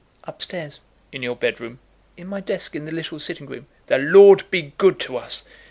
"Up stairs." "In your bed room?" "In my desk in the little sitting room." "The Lord be good to us!"